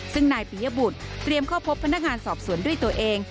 ซึ่งนายปิยบุตรเตรียมเข้าพบพนักงานสอบสวนด้วยตัวเอง